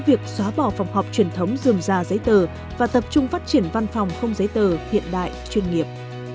việc xóa bỏ phòng họp truyền thống dường ra giấy tờ và tập trung phát triển văn phòng không giấy tờ hiện đại chuyên nghiệp